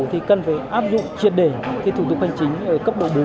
thì cần phải áp dụng triệt để thủ tục hành chính ở cấp độ bốn